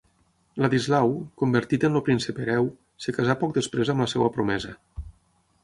Ladislau, convertit en el príncep hereu, es casà poc després amb la seva promesa.